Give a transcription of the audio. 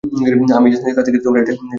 আমি এজেন্সির কাছে এটার জন্য ফোন দিচ্ছি।